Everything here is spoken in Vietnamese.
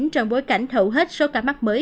trong bối cảnh thậu hết số ca mắc mới